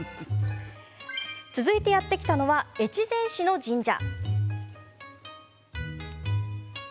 続いてやって来たのは越前市の神社。